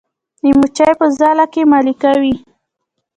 د مچۍ په ځاله کې ملکه وي